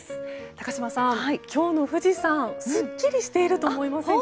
高島さん、今日の富士山すっきりしていると思いませんか。